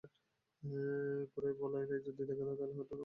গোড়ায় বলাই না যদি দেখাত তবে হয়তো ওটা আমার লক্ষ্যই হত না।